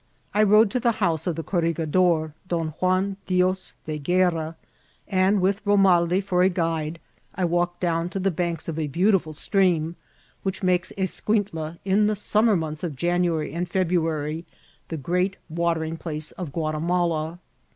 I rode to the house of the corregidor, Don Juan Dios de Guerra, and, with Bomaldi for a guide, I walked down 8UNSBT SCENE. to the banks of a beautiful stream, whidi makeil Es* cuintla, in the summer months of January and Febru ary, the great watering place of Ouatimala.